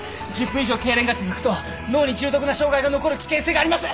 １０分以上けいれんが続くと脳に重篤な障害が残る危険性があります！